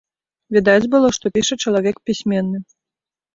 Відаць было, што піша чалавек пісьменны.